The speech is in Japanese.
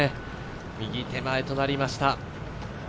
右手前となりました。